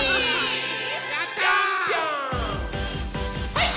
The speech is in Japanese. はい！